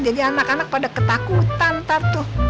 jadi anak anak pada ketakutan ntar tuh